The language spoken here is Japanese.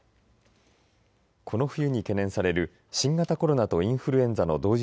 この冬に懸念される新型コロナとインフルエンザの同時